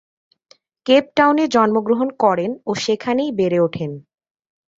Cape টাউনে জন্মগ্রহণ করেন ও সেখানেই বেড়ে উঠেন।